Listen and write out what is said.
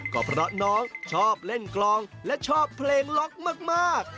ก็เพราะน้องชอบเล่นกลองและชอบเพลงล็อกมาก